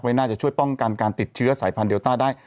น่าจะช่วยป้องกันการติดเชื้อสายพันธุเดลต้าได้